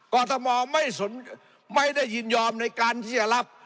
กรทมไม่ได้ยินยอมในการที่จะรับ